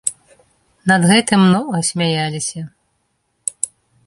Над гэтым многа смяяліся.